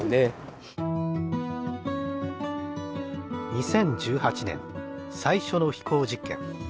２０１８年最初の飛行実験。